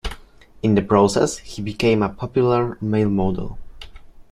In the process, he became a popular male model.